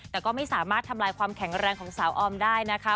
แต่ก็ไม่สามารถทำลายความแข็งแรงของสาวออมได้นะคะ